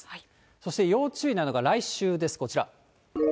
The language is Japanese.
そして要注意なのが来週です、こちら。